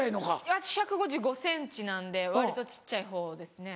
私１５５ｃｍなんで割と小っちゃいほうですね。